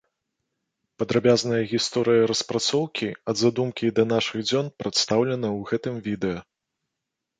Падрабязная гісторыя распрацоўкі ад задумкі і да нашых дзён прадстаўлена ў гэтым відэа.